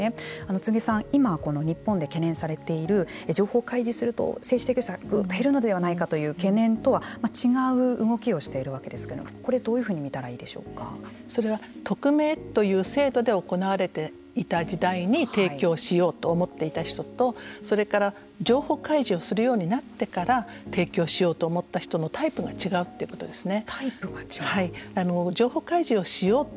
柘植さん、今、日本で懸念されている情報開示すると精子提供者がぐっと減るのではないかといった懸念とは違う動きをしているわけですけれどもこれはどういうふうに見たらそれは、匿名という制度で行われていた時代に提供をしようと思っていた人とそれから、情報開示をするようになってから提供しようと思った人のタイプが違うということですね。